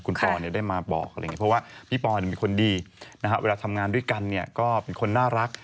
คุณปอล์ได้มาบอกเพราะว่าพี่ปอล์มีคนดีเวลาทำงานด้วยกันก็เป็นคนน่ารัก